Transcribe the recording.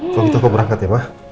kalau gitu aku berangkat ya pak